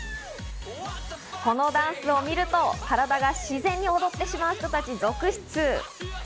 このダンスを見ると、体が自然に踊ってしまう人たち続出。